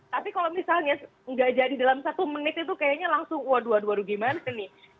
tapi kalau misalnya nggak jadi dalam satu menit itu kayaknya langsung waduh waduh gimana nih